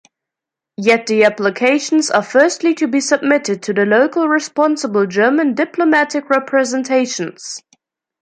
Yet the applications are firstly to be submitted to the local responsible German diplomatic representations.